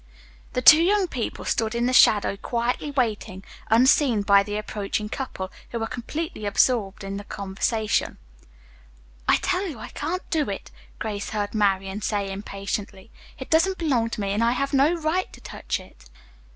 The two young people stood in the shadow quietly waiting, unseen by the approaching couple, who were completely absorbed in conversation. "I tell you I can't do it," Grace heard Marian say impatiently. "It doesn't belong to me, and I have no right to touch it."